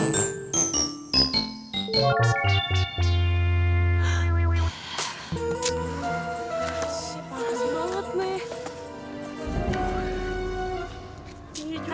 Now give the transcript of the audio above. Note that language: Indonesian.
kasih paham banget nih